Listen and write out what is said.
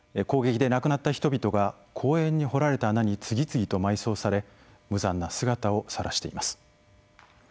攻撃で亡くなった人々が公園に掘られた穴に次々と埋葬され無残な姿をさらしています。